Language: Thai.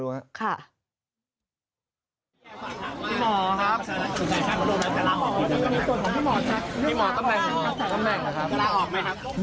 ลาออกไหมครับ